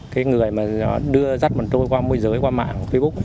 cái người mà đưa dắt bọn tôi qua môi giới qua mạng facebook